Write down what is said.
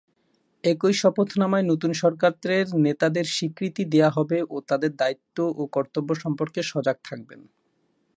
একই শপথনামায় নতুন সরকারের নেতাদের স্বীকৃতি দেয়া হবে ও তাদের দায়িত্ব ও কর্তব্য সম্পর্কে সজাগ থাকবেন।